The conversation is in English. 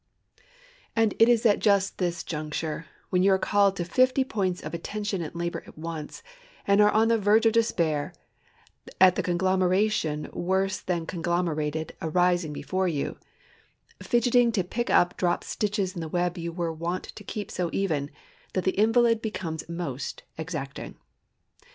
And it is just at this juncture—when you are called to fifty points of attention and labor at once, and are on the verge of despair at the conglomeration worse conglomerated arising before you; fidgetting to pick up dropped stitches in the web you were wont to keep so even—that the invalid becomes most exacting.